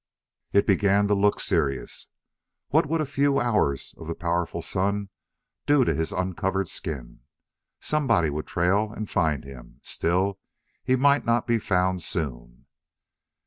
It began to look serious. What would a few hours of the powerful sun do to his uncovered skin? Somebody would trail and find him: still, he might not be found soon.